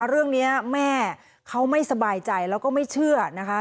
เรื่องนี้แม่เขาไม่สบายใจแล้วก็ไม่เชื่อนะคะ